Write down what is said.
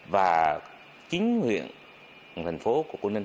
và chính huyện thành phố của quảng ninh